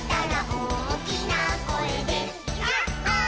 「おおきなこえでヤッホー」